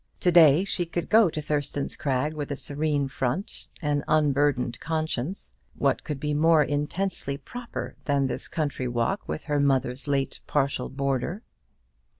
To day she could go to Thurston's Crag with a serene front, an unburdened conscience. What could be more intensely proper than this country walk with her mother's late partial boarder?